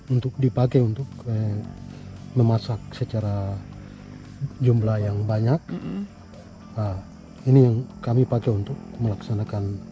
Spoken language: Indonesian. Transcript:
untuk dipakai untuk memasak secara jumlah yang banyak ini yang kami pakai untuk melaksanakan